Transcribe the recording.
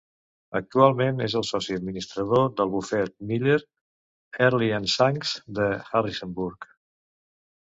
Actualment és el soci administrador del bufet Miller, Earle i Shanks, de Harrisonburg.